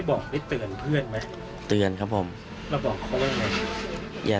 บอกแล้วแติว์นเพื่อนไหมตื่นครับผมแล้วบอกเขาไหนอย่า